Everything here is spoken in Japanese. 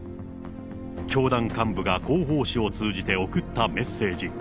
教団幹部が広報誌を通じて送ったメッセージ。